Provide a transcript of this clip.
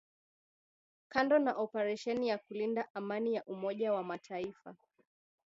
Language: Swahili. kando na operesheni ya kulinda Amani ya Umoja wa mataifa